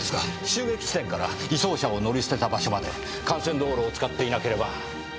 襲撃地点から移送車を乗り捨てた場所まで幹線道路を使っていなければ。